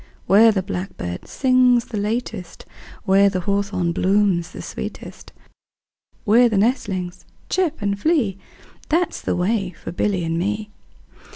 Where the blackbird sings the latest, 5 Where the hawthorn blooms the sweetest, Where the nestlings chirp and flee, That 's the way for Billy and me.